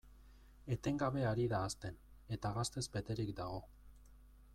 Etengabe ari da hazten, eta gaztez beterik dago.